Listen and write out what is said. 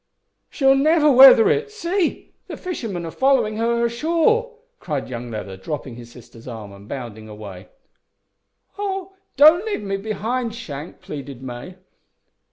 "She'll never weather it. See! the fishermen are following her along shore," cried young Leather, dropping his sister's arm, and bounding away. "Oh! don't leave me behind, Shank," pleaded May.